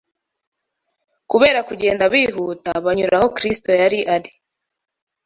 Kubera kugenda bihuta, banyura aho Kristo yari ari